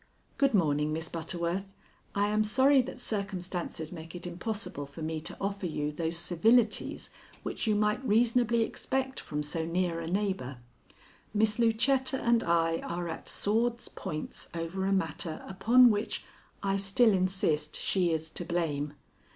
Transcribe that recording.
Good morning, Miss Butterworth. I am sorry that circumstances make it impossible for me to offer you those civilities which you might reasonably expect from so near a neighbor. Miss Lucetta and I are at swords' points over a matter upon which I still insist she is to blame.